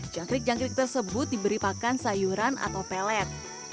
jangkrik jangkrik tersebut diberi pakan sayuran atau pelet